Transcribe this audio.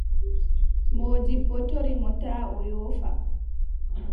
Moodibbo tori mo taa o yoofa.